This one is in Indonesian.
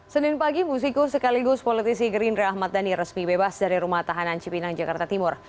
senin pagi musikus sekaligus politisi gerindra ahmad dhani resmi bebas dari rumah tahanan cipinang jakarta timur